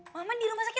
mama di rumah sakit